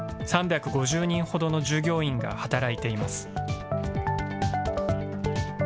３５０人ほどの従業員が働いています。